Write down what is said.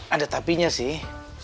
ada tapinya sih